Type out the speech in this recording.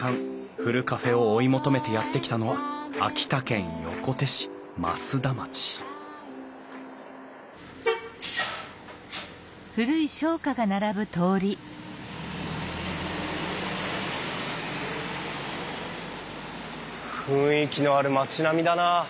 ふるカフェを追い求めてやって来たのは秋田県横手市増田町雰囲気のある町並みだな。